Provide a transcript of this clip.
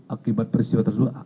akibat peristiwa tersebut